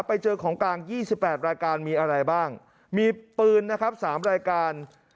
ไปเจอของกลาง๒๘รายการมีอะไรบ้างมีปืนนะครับ๓รายการ